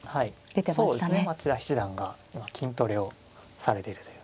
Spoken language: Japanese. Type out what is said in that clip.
千田七段が筋トレをされているという。